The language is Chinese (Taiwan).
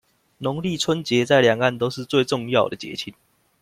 農曆春節在兩岸都是最重要的節慶